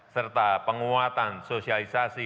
serta penguatan sosialisasi